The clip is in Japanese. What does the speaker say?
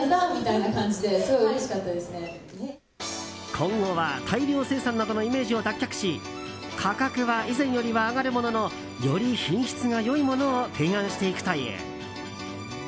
今後は大量生産などのイメージを脱却し価格は以前よりは上がるもののより品質が良いものを提案していくという。